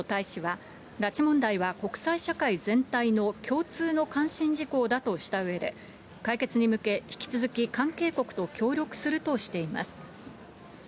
国連日本代表部の石兼公博大使は、拉致問題は国際社会全体の共通の関心事項だとしたうえで、解決に向け、引き続き関係国と協力するとしています。